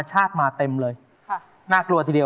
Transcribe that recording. เชิญนะครับพี่